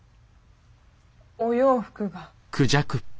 お洋服が。